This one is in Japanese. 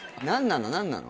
何なの？